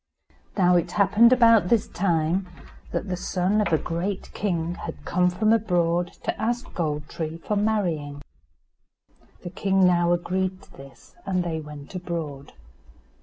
Now it happened about this time that the son of a great king had come from abroad to ask Gold tree for marrying. The king now agreed to this, and they went abroad.